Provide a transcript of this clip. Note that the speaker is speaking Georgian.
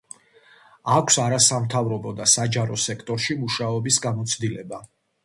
აქვს არასამთავრობო და საჯარო სექტორში მუშაობის გამოცდილება.